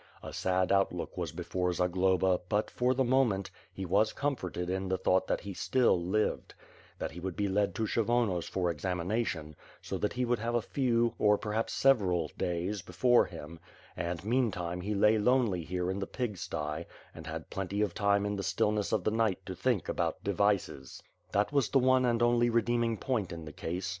A sad outlook was before Zagloba but, for the moment, he was comforted in the thought that he still lived; that he would be led to Kshvonos for examination, so that he would have a few, or perhaps several days, before him; and, meantime he lay lonely here in the pig sty, and had plenty of time in the stillness of the night, to think about devices. That was the one and only redeeming point in the case.